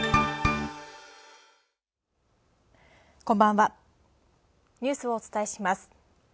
こんばんは、ニュースをお伝えします。